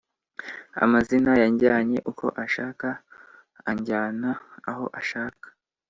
amazi yanjyanye uko ashaka anjyana aho ashaka